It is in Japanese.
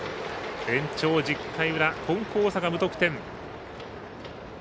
延長１０回裏金光大阪、無得点。